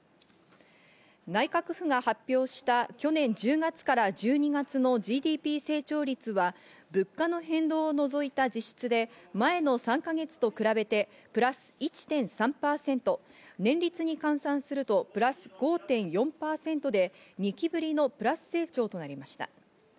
内閣府が発表した去年１０月から１２月のＧＤＰ成長率は物価の変動を除いた実質で前の３か月と比べてプラス１．３％、年率に換算するとプラス５．４％で、２期ぶりのプラス成長となりました。